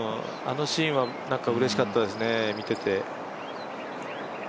あのシーンはなんかうれしかったですね、見てて。